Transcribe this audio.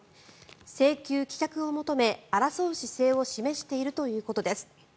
請求棄却を求め、争う姿勢を示しているということです。